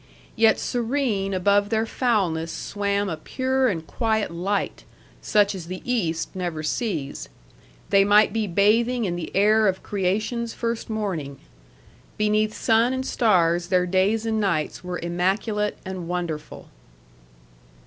Yet serene above their foulness swam a pure and quiet light, such as the East never sees; they might be bathing in the air of creation's first morning. Beneath sun and stars their days and nights were immaculate and wonderful.